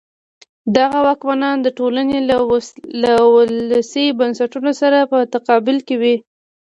دغه واکمنان د ټولنې له ولسي بنسټونو سره په تقابل کې وو.